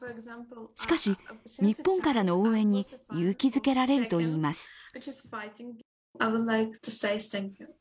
しかし、日本からの応援に勇気づけられるといいます。